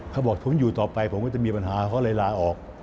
เขาบอกผมอยู่ต่อไปผมก็จะมีปัญหาเขาเลยลาออก